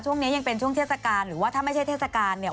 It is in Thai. ช่วงนี้ยังเป็นช่วงเทศกาลหรือว่าถ้าไม่ใช่เทศกาลเนี่ย